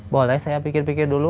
boleh saya pikir pikir dulu